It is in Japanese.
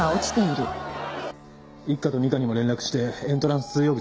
一課と二課にも連絡してエントランス通用口